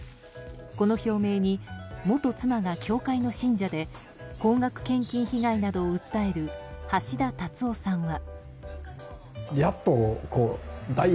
この表明に元妻が教会の信者で高額献金被害などを訴える橋田達夫さんは。